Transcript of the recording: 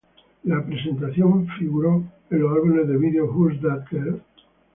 La presentación figuró en los álbumes de vídeo "Who's That Girl?